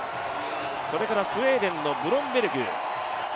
それからスウェーデンのブロンベルグ。